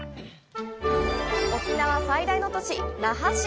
沖縄最大の都市、那覇市！